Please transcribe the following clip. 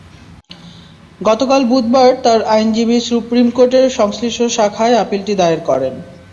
গতকাল বুধবার তাঁর আইনজীবী সুপ্রিম কোর্টের সংশ্লিষ্ট শাখায় আপিলটি দায়ের করেন।